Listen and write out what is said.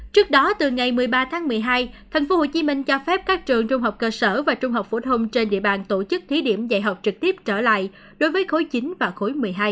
trước đó từ ngày một mươi ba tháng một mươi hai tp hcm cho phép các trường trung học cơ sở và trung học phổ thông trên địa bàn tổ chức thí điểm dạy học trực tiếp trở lại đối với khối chín và khối một mươi hai